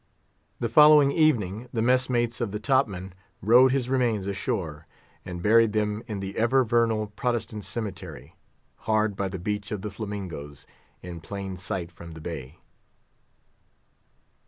The following evening the mess mates of the top man rowed his remains ashore, and buried them in the ever vernal Protestant cemetery, hard by the Beach of the Flamingoes, in plain sight from the bay.